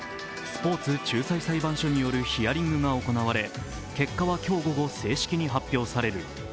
スポーツ仲裁裁判所によるヒアリングが行われ結果は今日午後、正式に発表される